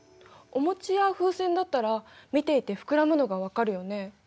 お餅や風船だったら見ていて膨らむのが分かるよね。